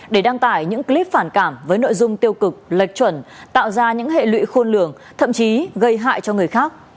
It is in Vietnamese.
để đăng tải những clip phản cảm với nội dung tiêu cực lệch chuẩn tạo ra những hệ lụy khôn lường thậm chí gây hại cho người khác